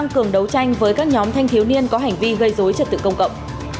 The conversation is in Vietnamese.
các nhóm thanh thiếu niên có hành vi gây dối trật tự công cộng